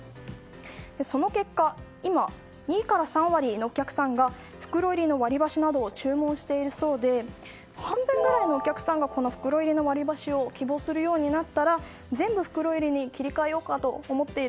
その結果今、２３割のお客さんが袋入りの割り箸などを注文しているそうで半分ぐらいのお客さんが袋入りの割り箸を希望するようになったら全部袋入りに切り替えようと思っている。